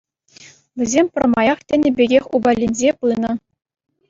Вӗсем пӗрмаях тенӗ пекех упаленсе пынӑ.